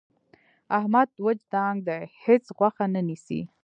احمد وچ ډانګ دی. هېڅ غوښه نه نیسي.